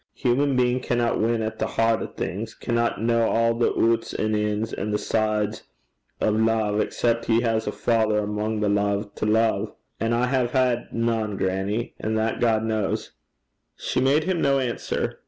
Human bein' canna win at the hert o' things, canna ken a' the oots an' ins, a' the sides o' love, excep' he has a father amo' the lave to love; an' I hae had nane, grannie. An' that God kens.' She made him no answer.